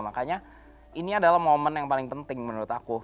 makanya ini adalah momen yang paling penting menurut aku